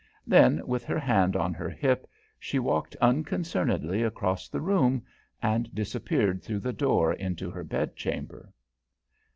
Then, with her hand on her hip, she walked unconcernedly across the room and disappeared through the door into her bedchamber.